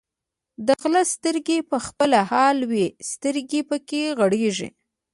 د غله سترګې په خپله حال وایي، سترګې یې پکې غړېږي.